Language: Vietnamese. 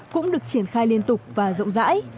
cũng được triển khai liên tục và rộng rãi